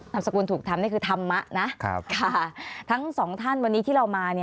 สกุลถูกทำนี่คือธรรมะนะทั้งสองท่านวันนี้ที่เรามา